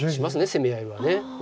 攻め合いは。